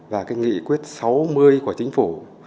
và cái nghị quyết sáu mươi của chính phủ